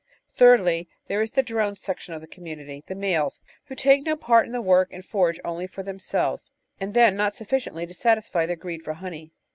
Thirdly, there is the drone section of the community, the males, who take no part in the* work, and forage only for themselves, and then not sufficiently to satisfy their greed for honey.